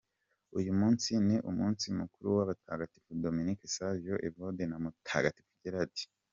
Uyu munsi ni umunsi mukuru w’abatagatifu: Dominic Savio, Evode, na Mutagatifu Gerald.